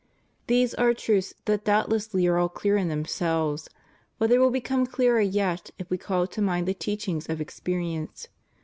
These are truths that doubtlessly are all clear in themselves; but they will become clearer yet if we call to mind the teachings of experience.